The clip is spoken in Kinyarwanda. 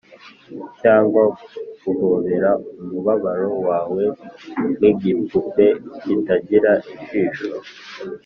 cyangwa guhobera umubabaro wawe nkigipupe kitagira ijisho